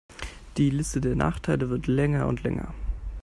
Die Liste der Nachteile wird länger und länger.